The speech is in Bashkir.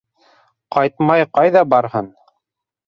Ҡайтмай ҡайҙа барһын?